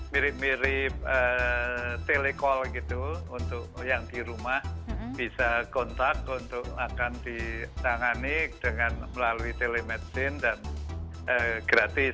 mirip mirip telekol gitu untuk yang di rumah bisa kontak untuk akan ditangani dengan melalui telemedicine dan gratis